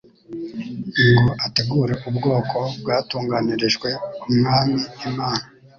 ngo ategure ubwoko bwatunganirijwe Umwami Imana.